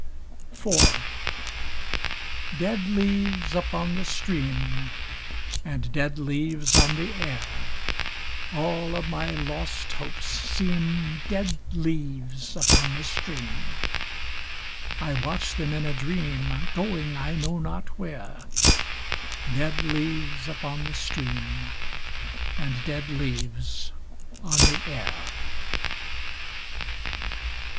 IV Dead leaves upon the stream And dead leaves on the air All of my lost hopes seem Dead leaves upon the stream; I watch them in a dream, Going I know not where, Dead leaves upon the stream And dead leaves on the air.